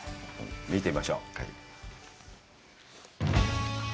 見てみましょう。